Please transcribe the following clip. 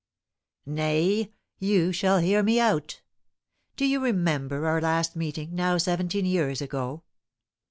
"Nay, you shall hear me out! Do you remember our last meeting, now seventeen years ago?